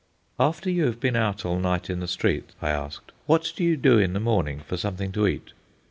"After you have been out all night in the streets," I asked, "what do you do in the morning for something to eat?"